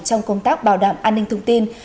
trong công tác bảo đảm an ninh thông tin